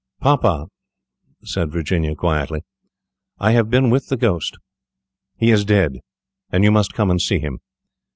"Papa," said Virginia, quietly, "I have been with the Ghost. He is dead, and you must come and see him.